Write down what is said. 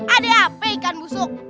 ada apa ikan busuk